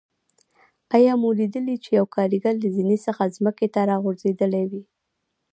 آیا مو لیدلي چې یو کاریګر له زینې څخه ځمکې ته راغورځېدلی وي.